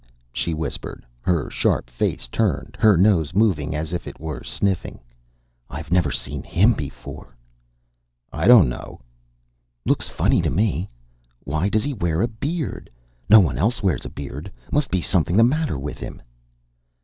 she whispered, her sharp face turned, her nose moving, as if it were sniffing. "I never seen him before." "I don't know." "Looks funny to me. Why does he wear a beard? No one else wears a beard. Must be something the matter with him."